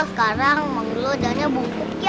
sekarang bang dulo jalannya bongkok ya